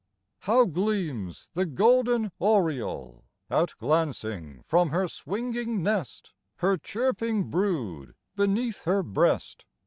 How gleams the golden oriole Out glancing from her swinging nest, Her chirping brood beneath her breast.